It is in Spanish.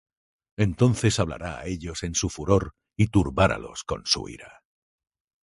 Entonces hablará á ellos en su furor, Y turbarálos con su ira.